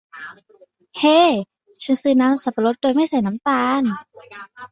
เฮ้ฉันซื้อน้ำสับปะรดโดยไม่ใส่น้ำตาล